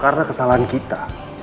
karena kesalahan kita